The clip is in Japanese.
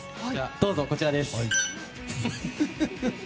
どうぞ、こちらです。